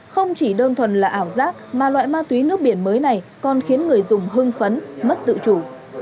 không chỉ đơn thuần là ảo giác mà loại ma túy nước biển mới này còn khiến người dùng hưng phấn mất tự chủ